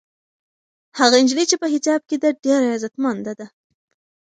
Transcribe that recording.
هغه نجلۍ چې په حجاب کې ده ډېره عزتمنده ده.